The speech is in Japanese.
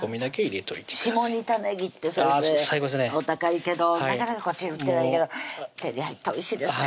下仁田ねぎって先生お高いけどなかなかこっちで売ってないけど手に入ったらおいしいですね